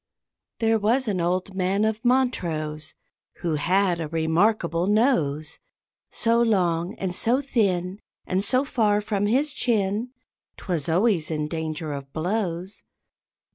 There was an old man of Montrose Who had a remarkable nose, So long and so thin, And so far from his chin, 'Twas always in danger of blows.